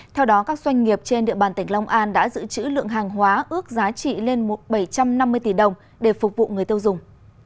theo đó các doanh nghiệp trên địa bàn tỉnh long an đã giữ chữ lượng hàng hóa ước giá trị lên bảy trăm năm mươi tỷ đồng để phục vụ người tiêu dùng